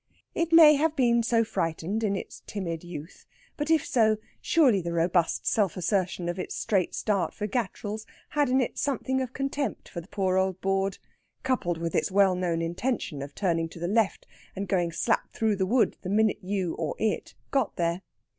It may have been so frightened in its timid youth; but if so, surely the robust self assertion of its straight start for Gattrell's had in it something of contempt for the poor old board, coupled with its well known intention of turning to the left and going slap through the wood the minute you (or it) got there.